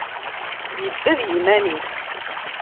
Yedda d yiman-is.